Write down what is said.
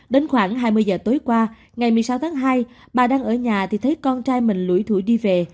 đến khoảng hai mươi giờ tối qua ngày một mươi sáu tháng hai bà đang ở nhà thì thấy con trai mình lưỡi tuổi đi về